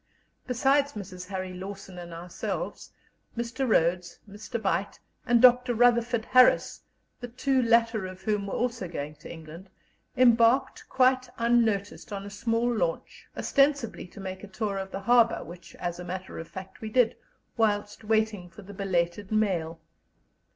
Besides Mrs. Harry Lawson and ourselves, Mr. Rhodes, Mr. Beit, and Dr. Rutherford Harris, the two latter of whom were also going to England, embarked quite unnoticed on a small launch, ostensibly to make a tour of the harbour, which as a matter of fact we did, whilst waiting for the belated mail.